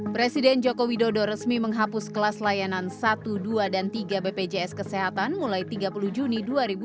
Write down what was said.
presiden joko widodo resmi menghapus kelas layanan satu dua dan tiga bpjs kesehatan mulai tiga puluh juni dua ribu dua puluh